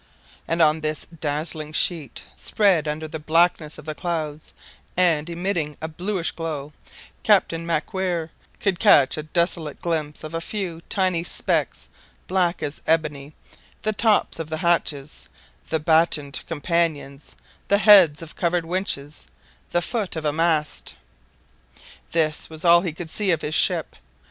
And on this dazzling sheet, spread under the blackness of the clouds and emitting a bluish glow, Captain MacWhirr could catch a desolate glimpse of a few tiny specks black as ebony, the tops of the hatches, the battened companions, the heads of the covered winches, the foot of a mast. This was all he could see of his ship.